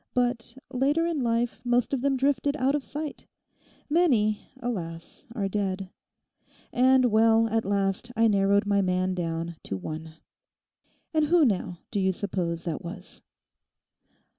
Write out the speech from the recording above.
But later in life most of them drifted out of sight—many, alas, are dead; and, well, at last I narrowed my man down to one. And who now, do you suppose that was?